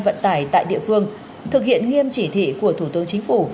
vận tải tại địa phương thực hiện nghiêm chỉ thị của thủ tướng chính phủ